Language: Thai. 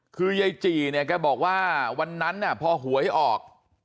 คือยายจี่เนี่ยแกบอกว่าวันนั้นพอหวยออก